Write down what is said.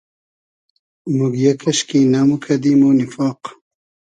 موگیۂ کئشکی نئموکئدی مۉ نیفاق